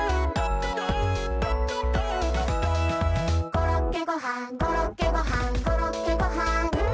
「コロッケごはんコロッケごはんコロッケごはん」